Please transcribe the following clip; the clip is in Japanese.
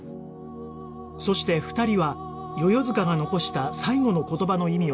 そして２人は世々塚が残した最期の言葉の意味を探し始める